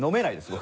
僕。